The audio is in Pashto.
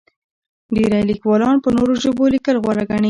ډېری لیکوالان په نورو ژبو لیکل غوره ګڼي.